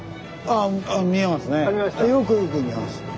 ああ見えますね。